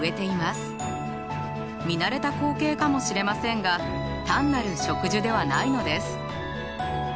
見慣れた光景かもしれませんが単なる植樹ではないのです。